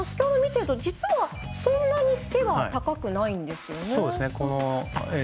見ていると、実はそんなに高くないんですね。